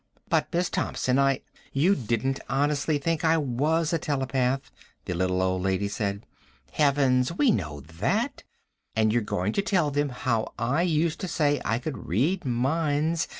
"But Miss Thompson, I " "You didn't honestly think I was a telepath," the little old lady said. "Heavens, we know that. And you're going to tell them how I used to say I could read minds